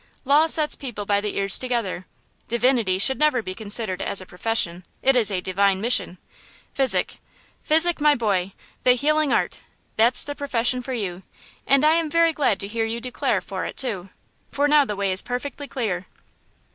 Law sets people by the ears together. Divinity should never be considered as a profession–it is a divine mission! Physic–physic, my boy! the healing art! that's the profession for you! And I am very glad to hear you declare for it, too, for now the way is perfectly clear!"